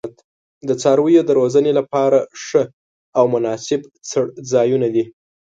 د څارویو د روزنې لپاره ښه او مناسب څړځایونه دي.